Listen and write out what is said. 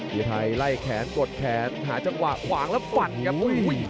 พี่ไทยไล่แขนกดแขนหาจังหวะขวางแล้วปั่นครับ